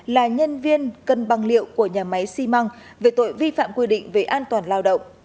là nhân viên cân băng liệu của nhà máy xi măng về tội vi phạm quy định về an toàn lao động